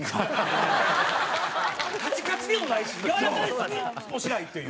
カチカチでもないしやわらかすぎもしないという。